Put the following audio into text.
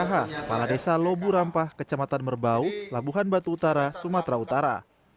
kepala desa lobu rampah kecamatan merbau labuhan batu utara sumatera utara